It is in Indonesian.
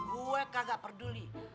gue kagak peduli